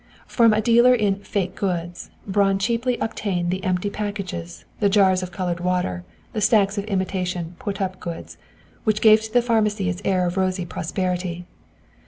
From a dealer in "fake" goods, Braun cheaply obtained the empty packages, the jars of colored water, and the stacks of imitation "put up" goods, which gave to the pharmacy its air of rosy prosperity.